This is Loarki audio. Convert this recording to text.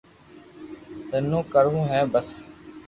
تنو ڪروہ ھي بس